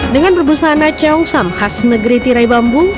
dengan berbusaan naik cheongsam khas negeri tirai bambung